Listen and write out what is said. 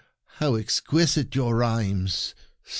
How exquisite your rhymes